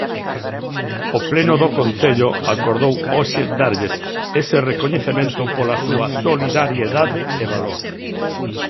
O pleno do Concello acordou hoxe darlles ese recoñecemento pola súa solidariedade e valor.